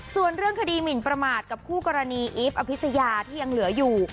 ส่วนเรื่องคดีหมินประมาทกับคู่กรณีอีฟอภิษยาที่ยังเหลืออยู่